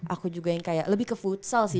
aku juga yang kayak lebih ke futsal sih